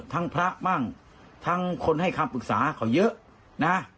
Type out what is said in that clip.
พระมั่งทั้งคนให้คำปรึกษาเขาเยอะนะ